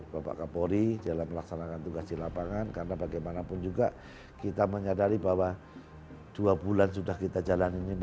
bapak korps selalu menekankan kepada kesihatan sekolah